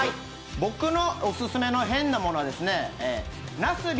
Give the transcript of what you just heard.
僕のオススメの変なものはなすび